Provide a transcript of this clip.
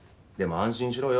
安心しろよ」